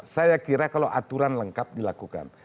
saya kira kalau aturan lengkap dilakukan